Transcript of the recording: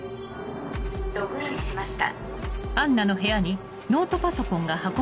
ログインしました。